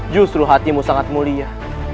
justru hatimu sangat mulia